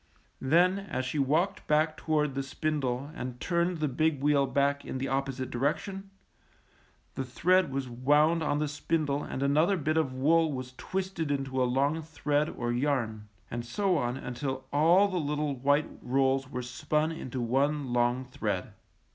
Then as she walked back toward the spindle and turned the big wheel back in the oppo site direction, the thread was wound on the spindle and another bit of wool was twisted into a long thread or yarn, and so on until all the little white rolls were spun into one long thread.